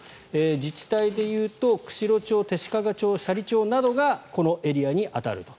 自治体でいうと釧路町、弟子屈町、斜里町などがこのエリアに当たると。